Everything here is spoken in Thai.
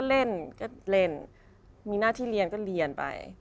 เล่นก็เล่นมีหน้าที่เรียนก็เรียนไป